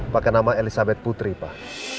pakai nama elizabeth putri pak